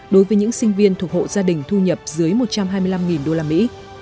đối với những sinh viên thuộc hộ gia đình thu nhập dưới một trăm hai mươi năm đô la mỹ